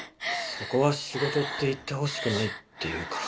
そこは仕事って言ってほしくないっていうか。